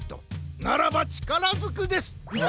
ならばちからずくです！